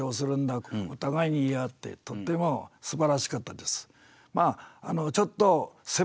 お互いに言い合ってとってもすばらしかったです。